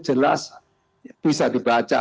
jelas bisa dibaca